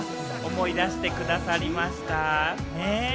思い出してくださりました。